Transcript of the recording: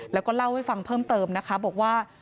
แล้วก็เล่าให้ฟังเพิ่มเติมนะคะบอกว่า